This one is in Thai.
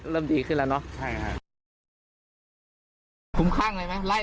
เริ่มดีขึ้นแล้วเนอะใช่ค่ะทุ่มข้างอะไรไหมหลาย